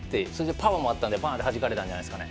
パワーもあったんではじかれたんじゃないですかね。